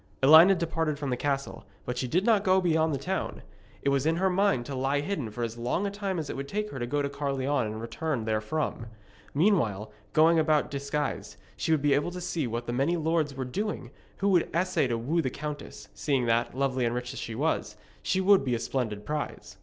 Elined departed from the castle, but she did not go beyond the town. It was in her mind to lie hidden for as long a time as it would take her to go to Caerleon and return therefrom. Meanwhile, going about disguised, she would be able to see what the many lords were doing who would essay to woo the countess, seeing that, lovely and rich as she was, she would be a splendid prize.